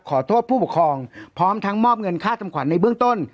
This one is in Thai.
ขอโทษผู้ปกครองพร้อมทั้งมอบเงินค่าทำขวัญในเบื้องต้น